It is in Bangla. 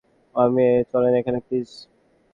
আম্মি চলেন এখান থেকে, প্লিজ।